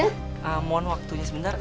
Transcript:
eee mohon waktunya sebentar